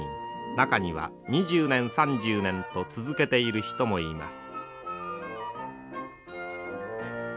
中には２０年３０年と続けている人もいます。